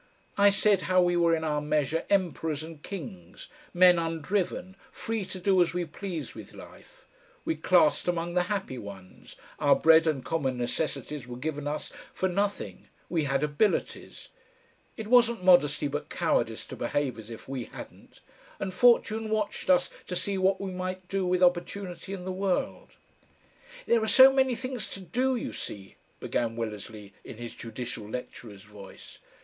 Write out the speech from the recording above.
I said how we were in our measure emperors and kings, men undriven, free to do as we pleased with life; we classed among the happy ones, our bread and common necessities were given us for nothing, we had abilities, it wasn't modesty but cowardice to behave as if we hadn't and Fortune watched us to see what we might do with opportunity and the world. "There are so many things to do, you see," began Willersley, in his judicial lecturer's voice.